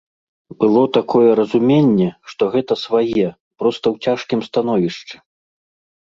Было такое разуменне, што гэта свае, проста ў цяжкім становішчы.